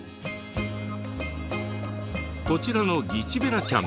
こちらのギチベラちゃん。